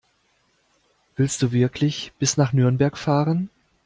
Willst du wirklich bis nach Nürnberg fahren?